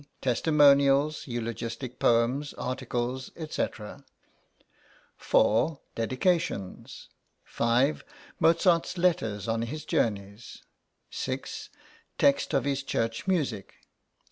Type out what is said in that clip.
Testimonials, eulogistic poems, articles, &c. 4. Dedications. 5. Mozart's letters on his journeys. 6. Text of his church music.